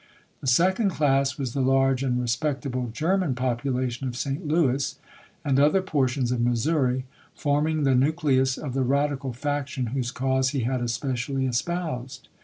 The second class was the large and respectable German popu lation of St. Louis, and other portions of Missouri, forming the nucleus of the radical faction whose cause he had especially espoused.